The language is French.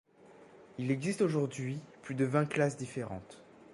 Il existe aujourd'hui plus de vingt classes différentes.